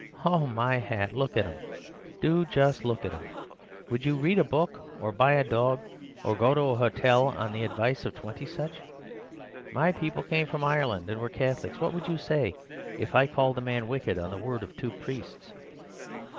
Oh, my hat! Look at 'em!—do just look at 'em! Would you read a book, or buy a dog, or go to a hotel on the advice of twenty such? My people came from Ireland, and were Catholics. What would you say if I called a man wicked on the word of two priests?"